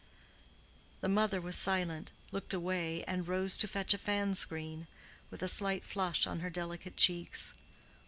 The mother was silent, looked away, and rose to fetch a fan screen, with a slight flush on her delicate cheeks.